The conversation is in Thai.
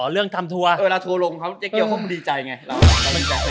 เรื่องทำทัวร์เวลาทัวร์ลงเขาเจ๊เกี้ยเขาคงดีใจไง